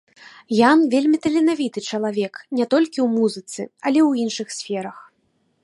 Ян вельмі таленавіты чалавек не толькі ў музыцы, але і ў іншых сферах.